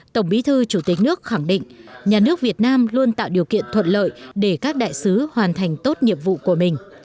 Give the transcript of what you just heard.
tổng bí thư chủ tịch nước khẳng định nhà nước việt nam luôn tạo điều kiện thuận lợi để các đại sứ hoàn thành tốt nhiệm vụ của mình